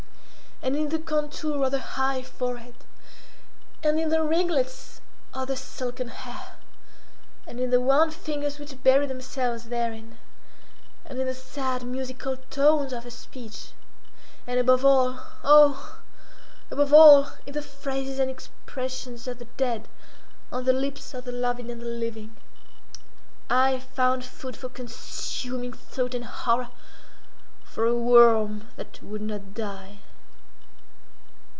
And in the contour of the high forehead, and in the ringlets of the silken hair, and in the wan fingers which buried themselves therein, and in the sad musical tones of her speech, and above all—oh! above all—in the phrases and expressions of the dead on the lips of the loved and the living, I found food for consuming thought and horror—for a worm that would not die.